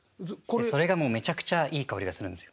それがもうめちゃくちゃいい香りがするんですよ。